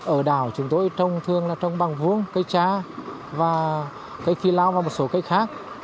ở đảo chúng tôi thường trồng bằng vuông cây cha cây phi lao và một số cây khác